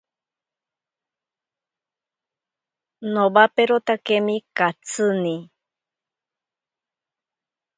Nowaperotakemi katsini.